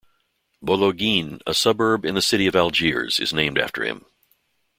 Bologhine, a suburb in the city of Algiers, is named after him.